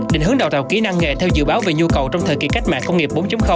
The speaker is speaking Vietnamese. định hướng đào tạo kỹ năng nghề theo dự báo về nhu cầu trong thời kỳ cách mạng công nghiệp bốn